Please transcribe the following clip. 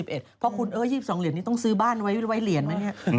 เพราะคุณ๒๒เหรียญนี้ต้องซื้อบ้านไว้เหรียญไหมเนี่ย